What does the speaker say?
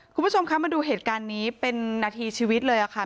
คุณผู้ชมคะมาดูเหตุการณ์นี้เป็นนาทีชีวิตเลยค่ะ